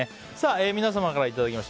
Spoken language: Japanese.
皆様からいただきました